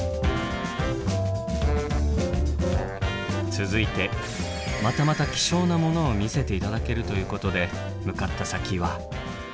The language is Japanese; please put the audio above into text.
続いてまたまた希少なものを見せて頂けるということで向かった先は。